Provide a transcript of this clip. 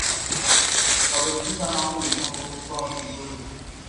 তবে কুষাণ আমলেই সম্ভবত শহরটি গড়ে ওঠে।